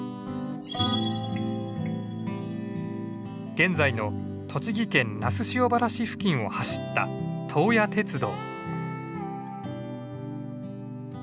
現在の栃木県那須塩原市付近を走った東野鉄道。